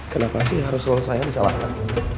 kenapa sih harus selalu saya yang disalahkan